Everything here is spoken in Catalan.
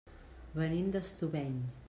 Venim d'Estubeny.